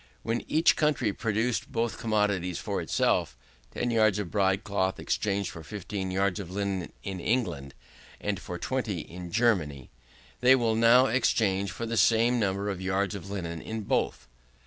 When each country produced both commodities for itself, 10 yards of broad cloth exchanged for 15 yards of linen in England, and for 20 in Germany. They will now exchange for the same number of yards of linen in both.